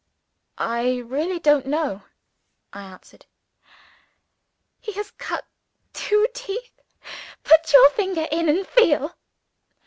"I really don't know," I answered. "He has cut two teeth! Put your finger in and feel."